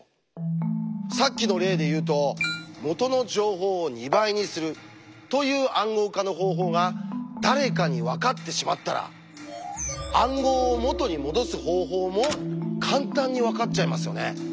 さっきの例で言うと「元の情報を２倍にする」という暗号化の方法が誰かにわかってしまったら暗号を「元にもどす方法」も簡単にわかっちゃいますよね。